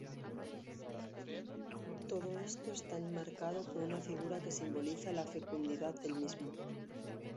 Todo esto está enmarcado por una figura que simboliza la fecundidad del mismo.